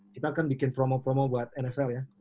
kita akan bikin promo promo buat nfl ya